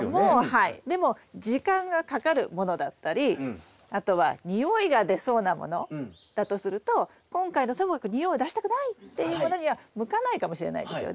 はいでも時間がかかるものだったりあとは臭いが出そうなものだとすると今回のともかく臭いを出したくないっていうものには向かないかもしれないですよね。